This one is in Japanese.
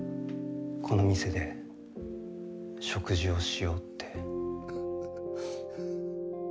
この店で食事をしようって。